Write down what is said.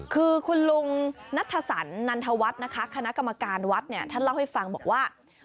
คือคุณลุงนัทสันนันทวัฒน์นะคะคณะกรรมการวัดเนี่ยท่านเล่าให้ฟังบอกว่า